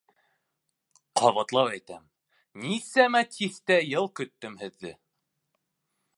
Ҡабатлап әйтәм, нисәмә тиҫтә йыл көттөм һеҙҙе.